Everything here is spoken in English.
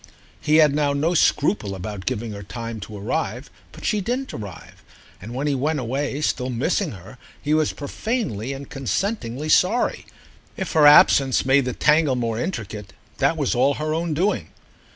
He had now no scruple about giving her time to arrive, but she didn't arrive, and when he went away still missing her he was profanely and consentingly sorry. If her absence made the tangle more intricate, that was all her own doing.